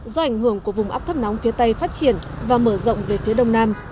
do ảnh hưởng của vùng áp thấp nóng phía tây phát triển và mở rộng về phía đông nam